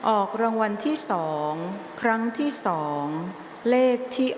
ออกรางวัลที่๒ครั้งที่๕เลขที่๖เลขที่๗